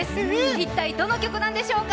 一体どの曲なんでしょうか？